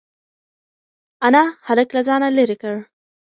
انا هلک له ځانه لرې کړ.